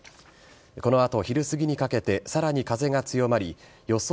この後、昼すぎにかけてさらに風が強まり予想